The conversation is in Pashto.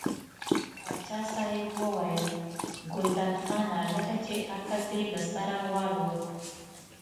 پاچا صاحب وویل ګلداد خانه لکه چې عقل دې له سره والوت.